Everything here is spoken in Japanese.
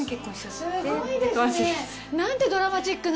すごいですね。